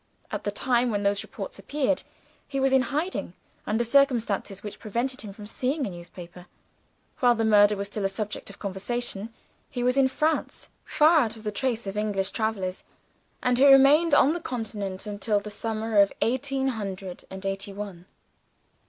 At the time when those reports appeared, he was in hiding, under circumstances which prevented him from seeing a newspaper. While the murder was still a subject of conversation, he was in France far out of the track of English travelers and he remained on the continent until the summer of eighteen hundred and eighty one.